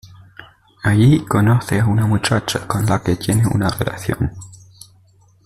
Allí conoce a una muchacha con la que tiene una relación.